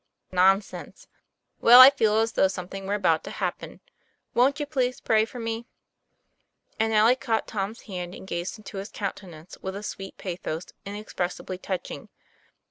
" Nonsense." "Well, I feel as though something were about to happen. Wont you please pray for me ?" And Alec caught Tom's hand and gazed into his countenance with a sweet pathos inexpressibly touch ing.